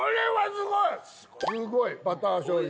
すごいバターしょうゆ。